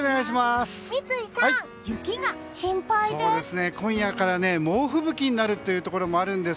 三井さん、雪が心配です。